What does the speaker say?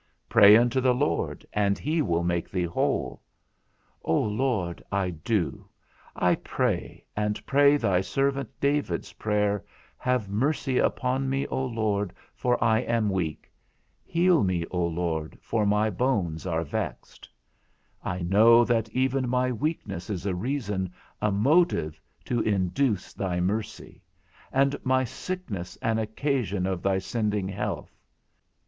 Pray unto the Lord, and he will make thee whole. O Lord, I do; I pray, and pray thy servant David's prayer, Have mercy upon me, O Lord, for I am weak; heal me, O Lord, for my bones are vexed: I know that even my weakness is a reason, a motive, to induce thy mercy, and my sickness an occasion of thy sending health.